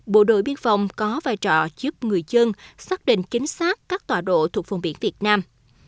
bộ đội biên phòng có vai trò giúp người dân xác định chính xác các tòa độ thuộc vùng biển việt nam